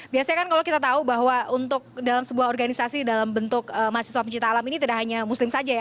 biasanya kan kalau kita tahu bahwa untuk dalam sebuah organisasi dalam bentuk mahasiswa pencipta alam ini tidak hanya muslim saja ya